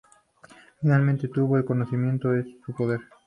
Finalmente tuvo el conocimiento es su poder.